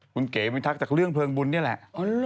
คุณเก๋วิทักษ์จากเรื่องเพลิงบุญนี่แหละ